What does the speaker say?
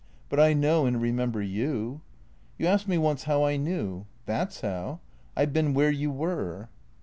But I know and remember you. You asked me once how I knew. That 's how. I 've been where you were."